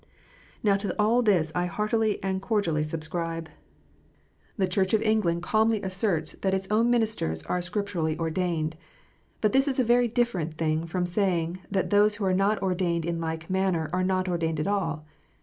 Now to all this I heartily and cordially subscribe. The THE CHURCH. 233 Church of England calmly asserts that its own ministers are Scripturally ordained. But this is a very different thing from saying that those who are not ordained in like manner are not ordained at all.